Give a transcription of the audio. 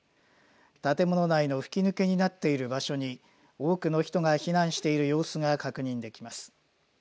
建物内の吹き抜けになっている場所に多くの人が避難している様子が確認できます。